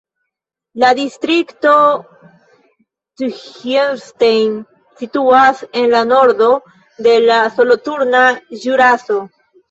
La distrikto Thierstein situas en la nordo de la Soloturna Ĵuraso.